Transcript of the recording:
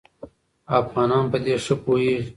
افغانان په دې ښه پوهېږي.